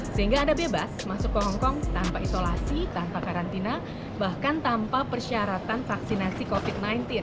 sehingga anda bebas masuk ke hongkong tanpa isolasi tanpa karantina bahkan tanpa persyaratan vaksinasi covid sembilan belas